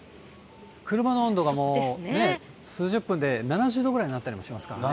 車の温度がもう、数十分で７０度ぐらいになったりもしますからね。